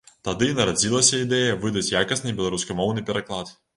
Тады і нарадзілася ідэя выдаць якасны беларускамоўны пераклад.